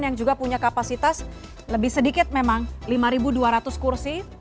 yang juga punya kapasitas lebih sedikit memang lima dua ratus kursi